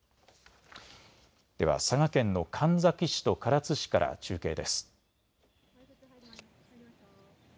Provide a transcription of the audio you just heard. では佐賀県の神埼市と唐津市から中継です。